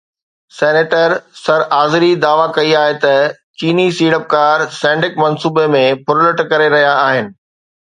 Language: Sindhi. سينيٽر سر آذري دعويٰ ڪئي آهي ته چيني سيڙپڪار سينڊڪ منصوبي ۾ ڦرلٽ ڪري رهيا آهن